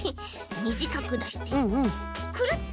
みじかくだしてくるっ！